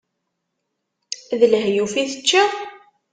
D lehyuf i teččiḍ?